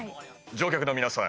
乗客の皆さん